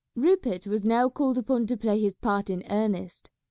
Rupert was now called upon to play his part in earnest.